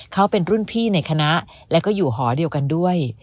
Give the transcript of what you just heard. เขาเป็นรุ่นพี่ในคณะและก็อยู่หอเดียวกันด้วย